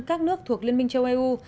các nước thuộc liên minh châu âu